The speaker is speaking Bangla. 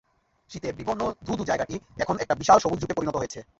শীতের বিবর্ণ ধু-ধু জায়গাটি এখন একটা বিশাল সবুজ ঝোপে পরিণত হয়েছে।